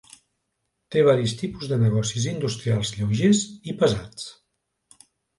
Té varis tipus de negocis industrials lleugers i pesats.